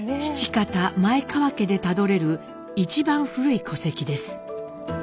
父方前川家でたどれる一番古い戸籍です。